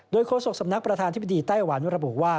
โดยโค้ดส่งสำนักประธานทฤษฐีไต้หวันรับบุคว่า